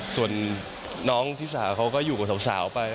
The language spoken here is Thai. ส่วนน้องที่สาวเขาก็อยู่กับสาวไป